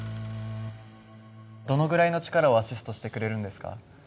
どのぐらいの力をアシストしてくれるんですか？